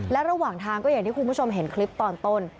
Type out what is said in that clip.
และระหว่างทางก็อย่างที่คุณผู้ชมเห็นคลิปตอนต้น